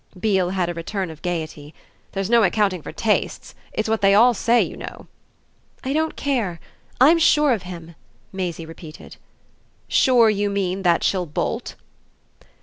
Beale had a return of gaiety. "There's no accounting for tastes! It's what they all say, you know." "I don't care I'm sure of him!" Maisie repeated. "Sure, you mean, that she'll bolt?"